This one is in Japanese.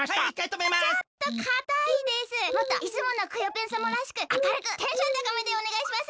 もっといつものクヨッペンさまらしくあかるくテンションたかめでおねがいします。